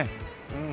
うん。